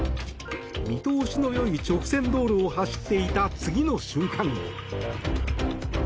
見通しのよい直線道路を走っていた次の瞬間